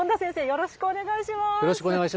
よろしくお願いします。